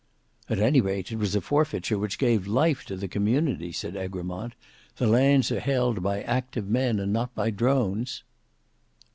"At any rate, it was a forfeiture which gave life to the community," said Egremont; "the lands are held by active men and not by drones."